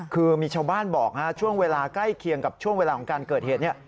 คือมีชาวบ้านบอกช่วงเวลาใกล้เคียงกับช่วงเวลาของการเกิดเหตุ